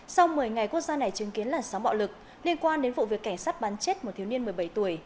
sau một mươi ngày quốc gia này chứng kiến làn sóng bạo lực liên quan đến vụ việc cảnh sát bắn chết một thiếu niên một mươi bảy tuổi